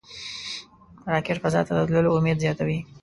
راکټ فضا ته د تللو امید زیاتوي